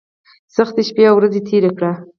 سختۍ شپې او ورځې تېرې کړې.